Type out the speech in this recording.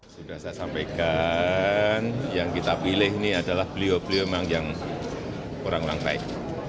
sudah saya sampaikan yang kita pilih ini adalah beliau beliau yang orang orang baik